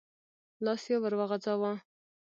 لاس يې ور وغځاوه.